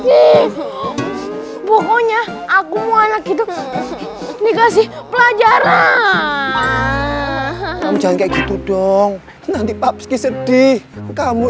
ki pokoknya aku mau anak itu dikasih pelajaran kamu jangan kayak gitu dong nanti pops sedih kamu